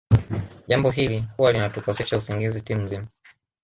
Jambo hili huwa linatukosesha usingizi timu nzima